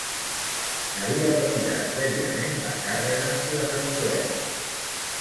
N'havia retirat prèviament la càrrega i les espoletes